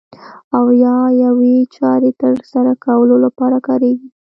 او یا یوې چارې ترسره کولو لپاره کاریږي.